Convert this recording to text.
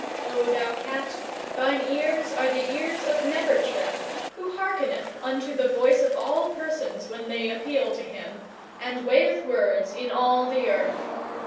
O thou Cat, thine ears are the ears of Nebertcher, who hearkeneth unto the voice of all persons when they appeal to him, and weigheth words (i.e., judgeth) in all the earth.